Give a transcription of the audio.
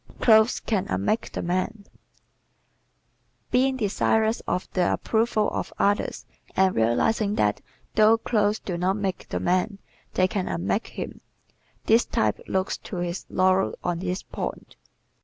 Clothes Can Unmake the Man ¶ Being desirous of the approval of others and realizing that though clothes do not make the man they can unmake him, this type looks to his laurels on this point.